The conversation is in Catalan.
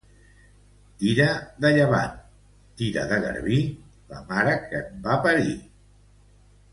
Tira de llevant, tira de garbí, la mare que et va parir.